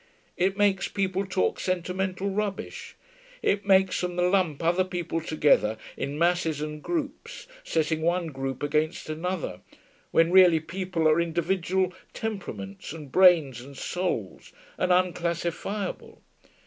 It makes people talk sentimental rubbish. It makes them lump other people together in masses and groups, setting one group against another, when really people are individual temperaments and brains and souls, and unclassifiable.